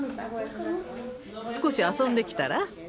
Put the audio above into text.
少し遊んできたら？